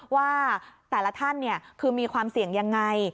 ว่าแต่ละท่านคือมีความเสี่ยงยังไง